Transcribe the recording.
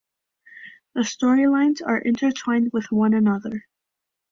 The storylines are intertwined with one another.